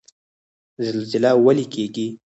زلزله ولې کیږي؟